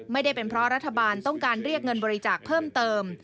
ไม่ได้เป็นเพราะรัฐบาลต้องการเรียกเงินบริจาคเพิ่มเติม